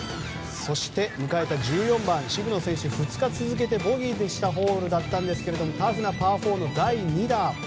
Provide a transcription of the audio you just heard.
そして、迎えた１４番渋野選手、２日続けてボギーのホールだったんですがタフなパー４の第２打。